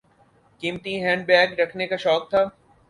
قیمتی handbag رکھنے کا شوق تھا۔